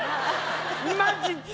マジで！